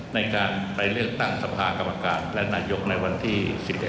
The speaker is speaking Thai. ในการไปเลือกตั้งสภากรรมการและนายกในวันที่๑๑